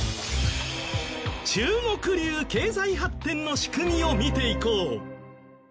中国流経済発展の仕組みを見ていこう。